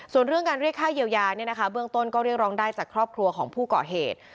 ส่วนเรื่องการเรียกค่าเยียวยาเบื้องต้นก็เรียกร้องได้จากครอบครัวของผู้ก่อเหตุ